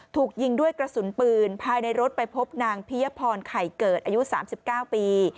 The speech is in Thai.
ถูกยิงด้วยกระสุนปืนภายในรถไปพบนางพิยพรไข่เกิดอายุ๓๙ปี